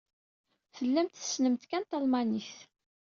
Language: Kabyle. Tellamt tessnemt kan talmanit.